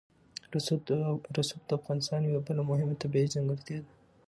رسوب د افغانستان یوه بله مهمه طبیعي ځانګړتیا ده.